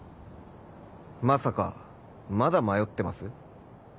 まさかまだ迷ってます？